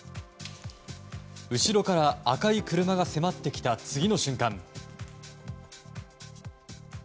後ろから赤い車が迫ってきた次の瞬間。